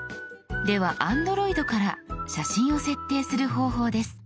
ではＡｎｄｒｏｉｄから写真を設定する方法です。